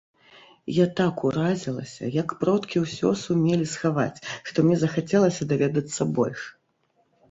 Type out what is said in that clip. Я так уразілася, як продкі ўсё сумелі схаваць, што мне захацелася даведацца больш.